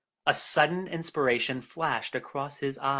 A sudden inspiration flashed across his.